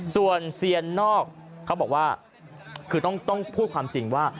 ส่วนเซียนนอกเขาบอกว่าคือต้องพูดความจริงว่า